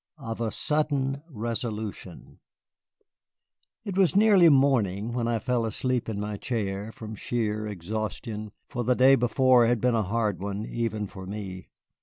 OF A SUDDEN RESOLUTION It was nearly morning when I fell asleep in my chair, from sheer exhaustion, for the day before had been a hard one, even for me.